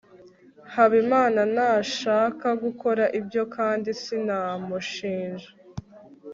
habimana ntashaka gukora ibyo kandi sinamushinja